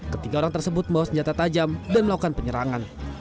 ketiga orang tersebut membawa senjata tajam dan melakukan penyerangan